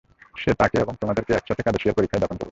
সে তাকে এবং তোমাদেরকে এক সাথে কাদেসিয়ার পরিখায় দাফন করবে।